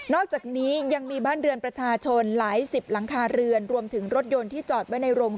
อกจากนี้ยังมีบ้านเรือนประชาชนหลายสิบหลังคาเรือนรวมถึงรถยนต์ที่จอดไว้ในโรง